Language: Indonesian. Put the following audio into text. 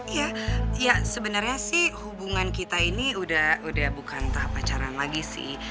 ya sebenarnya sih hubungan kita ini udah bukan tahap pacaran lagi sih